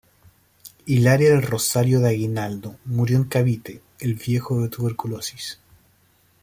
Hilaria del Rosario de Aguinaldo murió en Cavite el Viejo de tuberculosis.